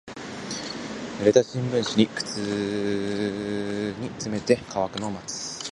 濡れた新聞紙を靴に詰めて乾くのを待つ。